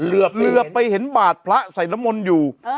เหลือไปเห็นบาทพระใส่น้ำมนต์อยู่